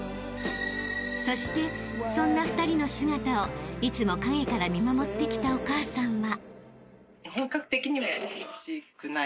［そしてそんな２人の姿をいつも陰から見守ってきたお母さんは］